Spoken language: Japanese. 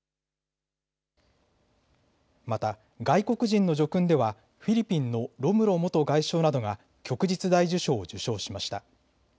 また外国人の叙勲ではフィリピンのロムロ元外相などが旭日大綬章を受章しました。